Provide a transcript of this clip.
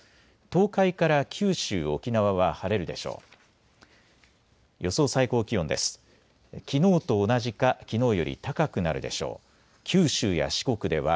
東海から九州、沖縄は晴れるでしょう。